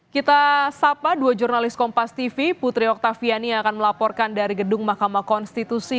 kita sapa dua jurnalis kompas tv putri oktaviani yang akan melaporkan dari gedung mahkamah konstitusi